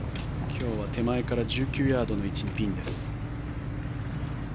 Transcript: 今日は手前から１９ヤードの位置にピンです。